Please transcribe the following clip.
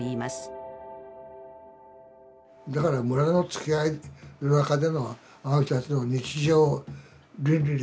だから村のつきあいの中でのあの人たちの日常倫理ですね。